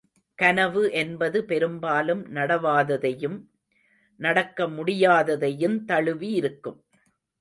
கனவு என்பது பெரும்பாலும் நடவாததையும், நடக்க முடியாததையுந் தழுவியிருக்கும்.